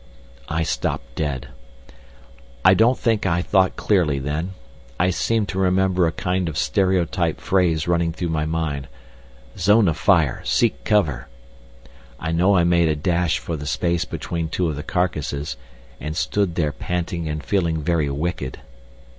I stopped dead. I don't think I thought clearly then. I seem to remember a kind of stereotyped phrase running through my mind: "Zone of fire, seek cover!" I know I made a dash for the space between two of the carcasses, and stood there panting and feeling very wicked.